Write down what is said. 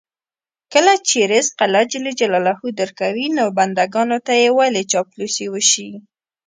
کله چې رزق الله ج درکوي، نو بندګانو ته یې ولې چاپلوسي وشي.